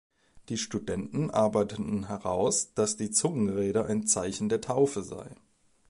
Die Studenten arbeiteten heraus, dass die Zungenrede ein Zeichen der Taufe sei.